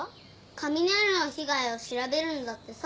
雷の被害を調べるんだってさ。